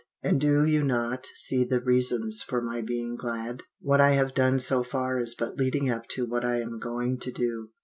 And do you not see the reasons for my being glad? "What I have done so far is but leading up to what I am going to do.